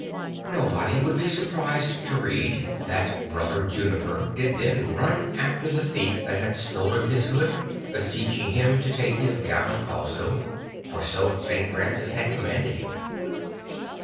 Nobody would be sur prised to read that Brother J uni per did then run after the thief that had stolen his hood, beseeching him to take his gown also; for so St. Francis had commanded him.